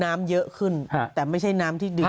น้ำเยอะขึ้นแต่ไม่ใช่น้ำที่ดี